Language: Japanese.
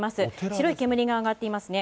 白い煙が上がっていますね。